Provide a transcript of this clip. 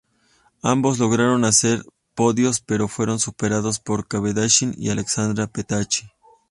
Ambos lograron hacer podios, pero fueron superados por Cavendish y Alessandro Petacchi.